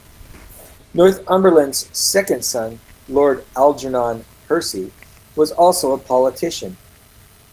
Northumberland's second son Lord Algernon Percy was also a politician.